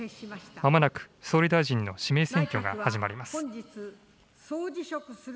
まもなく総理大臣の指名選挙が始まります。